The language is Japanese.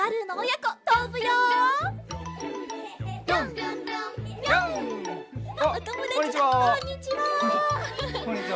こんにちは。